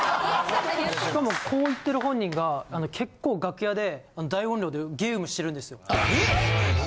しかもこう言ってる本人が結構楽屋で大音量でゲームしてるんですよ。えっ！？